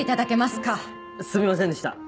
すみませんでした。